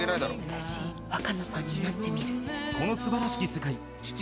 「私若菜さんになってみる」